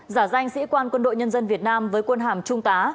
giả danh sĩ quan quân đội nhân dân việt nam với quân hàm trung tá